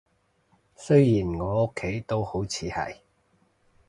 雖然我屋企都好似係